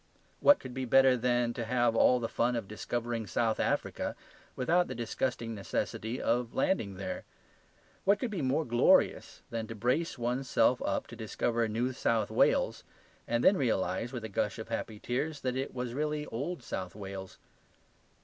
What could be better than to have all the fun of discovering South Africa without the disgusting necessity of landing there? What could be more glorious than to brace one's self up to discover New South Wales and then realize, with a gush of happy tears, that it was really old South Wales.